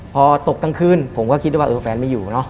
พอตกกลางคืนผมก็คิดว่าแฟนไม่อยู่